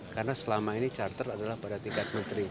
karena selama ini charter adalah pada tingkat menentang